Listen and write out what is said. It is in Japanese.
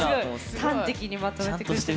端的にまとめてくれてね。